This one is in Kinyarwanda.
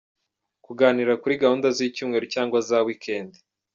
Kuganira kuri gahunda z’icyumweru cyangwa za weekend.